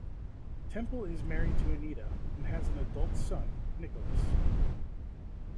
Temple is married to Anita and has an adult son, Nicholas.